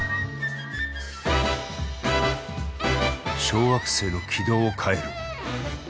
小惑星の軌道を変える。